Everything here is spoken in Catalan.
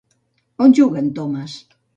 On juga en Thomas?